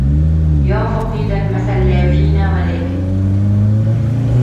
يا فقيد المثل لا فينا ولكن